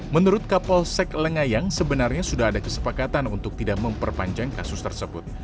menurut kapolsek lengayang sebenarnya sudah ada kesepakatan untuk tidak memperpanjang kasus tersebut